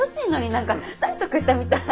何か催促したみたい！